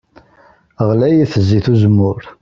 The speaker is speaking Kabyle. Ɣlayet zzit n uzemmur.